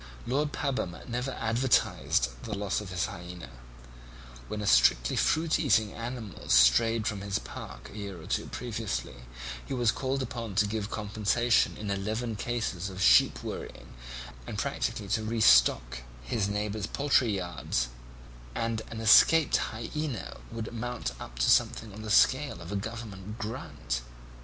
Lord Pabham never advertised the loss of his hyaena; when a strictly fruit eating animal strayed from his park a year or two previously he was called upon to give compensation in eleven cases of sheep worrying and practically to re stock his neighbours' poultry yards, and an escaped hyaena would have mounted up to something on the scale of a Government grant.